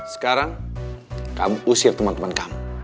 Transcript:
sekarang kamu usir temen temen kamu